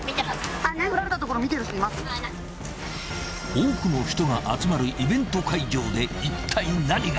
［多くの人が集まるイベント会場でいったい何が］